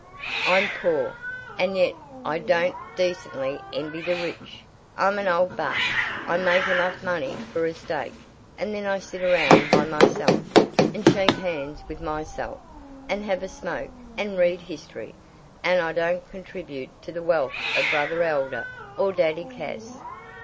"I'm poor, and yet I don't decently envy the rich. I'm an old bach. I make enough money for a stake, and then I sit around by myself, and shake hands with myself, and have a smoke, and read history, and I don't contribute to the wealth of Brother Elder or Daddy Cass."